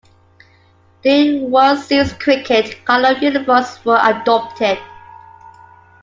During World Series Cricket, coloured uniforms were adopted.